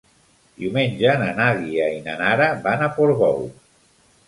Diumenge na Nàdia i na Nara van a Portbou.